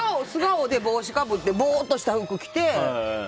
素顔で、帽子かぶってボワッとした服着て。